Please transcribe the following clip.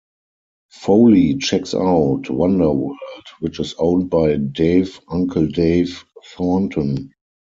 Foley checks out Wonder World, which is owned by Dave "Uncle Dave" Thornton.